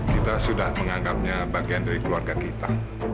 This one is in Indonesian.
kita sudah menganggapnya bagian dari keluarga kita